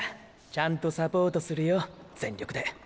ちゃんとサポートするよ全力で。